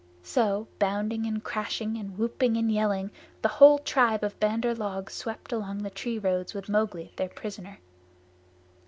So, bounding and crashing and whooping and yelling, the whole tribe of Bandar log swept along the tree roads with Mowgli their prisoner.